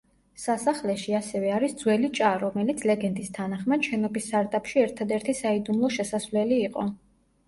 სასახლეში, ასევე არის ძველი ჭა, რომელიც, ლეგენდის თანახმად, შენობის სარდაფში ერთადერთი საიდუმლო შესასვლელი იყო.